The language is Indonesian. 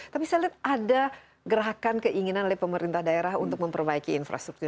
tapi saya lihat ada gerakan keinginan oleh pemerintah daerah untuk memperbaiki infrastruktur